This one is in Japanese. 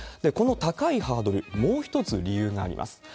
この高いハードル、もう一つ理由があります。